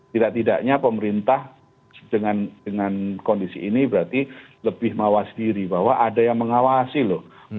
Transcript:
tidak tidaknya pemerintah dengan kondisi ini berarti lebih mawas diri bahwa ada yang mengawasi loh